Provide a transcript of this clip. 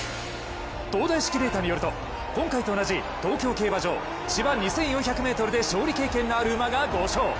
東大式データによると、今回と同じ東京競馬場・芝２４００ｍで勝利経験のある馬が５勝。